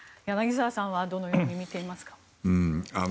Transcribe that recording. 柳澤さんはどのように見ていますか？